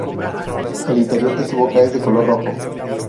El interior de su boca es de color rojo.